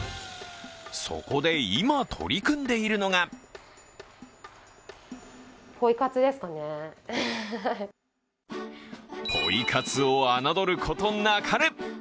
そこで今取り組んでいるのがポイ活を侮ることなかれ。